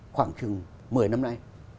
khoảng chừng một mươi năm nay